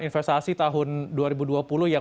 investasi tahun dua ribu dua puluh yang